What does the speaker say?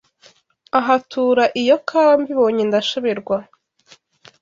Ahatura iyo kawa Mbibonye ndashoberwa